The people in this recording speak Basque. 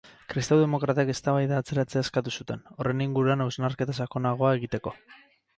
Kristau-demokratek eztabaida atzeratzea eskatu zuten, horren inguruan hausnarketa sakonagoa egiteko.